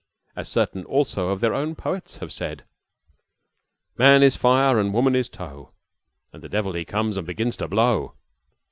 As certain, also, of their own poets have said: "Man is fire and woman is tow, And the devil he comes and begins to blow."